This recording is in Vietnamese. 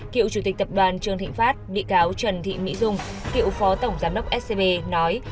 cựu chủ tịch tập đoàn trường thịnh pháp bị cáo trần thị mỹ dung cựu phó tổng giám đốc scb nói